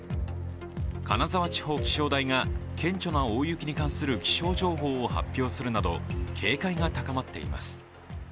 金沢地方気象台が顕著な大雪に関する気象情報を発表するなど、警戒が高まっています。